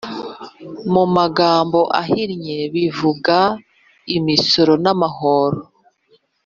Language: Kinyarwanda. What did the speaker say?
mu magambo ahinnye bivuga imisoro namahoro